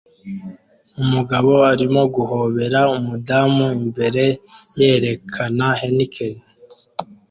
Umugabo arimo guhobera umudamu imbere yerekana Heineke